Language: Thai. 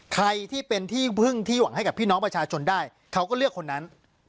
ใครที่เป็นที่พึ่งที่หวังให้กับพี่น้องประชาชนได้เขาก็เลือกคนนั้น